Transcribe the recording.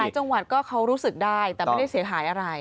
จังหวัดก็เขารู้สึกได้แต่ไม่ได้เสียหายอะไร